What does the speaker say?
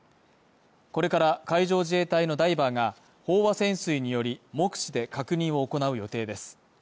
これから海上自衛隊のダイバーが、飽和潜水により目視で確認を行う予定です。